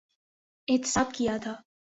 احتساب کیا تھا۔